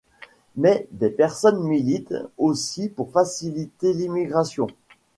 Mais des personnes militent aussi pour faciliter l’immigration.